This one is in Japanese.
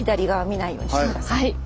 はい。